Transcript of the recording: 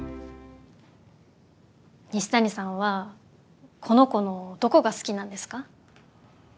西谷さんはこの子のどこが好きなんですか？